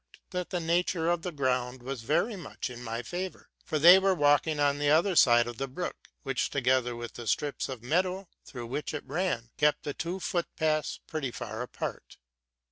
45 begin: and now only I noticed that the nature of the ground was very much in my favor; for they were walking on the other side of the brook, which, together with the strips of meadow through which it ran, kept. the two footpaths pretty far apart.